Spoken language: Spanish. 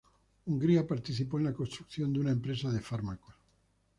Hungría participó en la construcción de una empresa de fármacos.